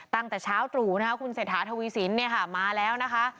ตั้งแต่เช้าตรูคุณเศรษฐาทวิสินมาแล้วนะคะ